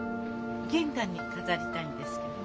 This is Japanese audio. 玄関に飾りたいんですけど。